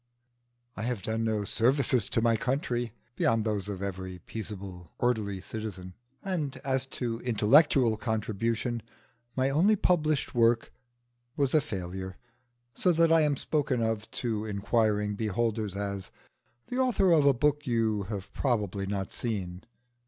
I have done no services to my country beyond those of every peaceable orderly citizen; and as to intellectual contribution, my only published work was a failure, so that I am spoken of to inquiring beholders as "the author of a book you have probably not seen."